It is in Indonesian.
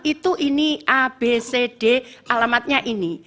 itu ini abcd alamatnya ini